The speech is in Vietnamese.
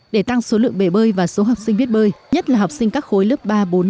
để tăng số lượng bể bơi và số học sinh biết bơi nhất là học sinh các khối lớp ba bốn